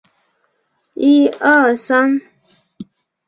阿河最终在格拉沃利讷注入北海。